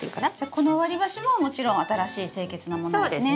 この割り箸ももちろん新しい清潔なものですね。